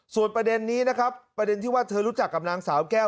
ส่วนประเด็นนี้นะครับประเด็นที่ว่าเธอรู้จักกับนางสาวแก้ว